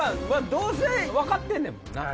どうせ分かってんねんもんな。